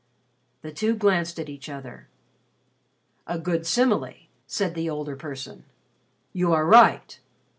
The two glanced at each other. "A good simile," said the older person. "You are right.